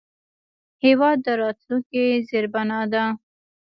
هېواد د راتلونکي زیربنا ده.